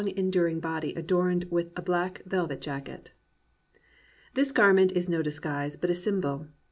enduring body adorned with a black velvet jacket. This garment is no disguise but a symbol.